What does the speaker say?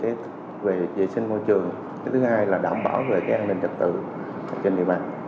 để di dời hết số mộ còn lại là một mươi tám ngôi mộ kinh phí hơn chín trăm linh tỷ đồng